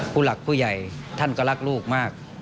ผู้หลักผู้ใหญ่ท่านก็รักลูกมาก